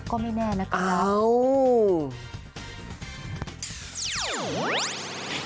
ก็ไม่แน่นะคะ